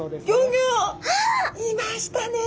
いましたね！